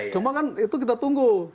cuma kan itu kita tunggu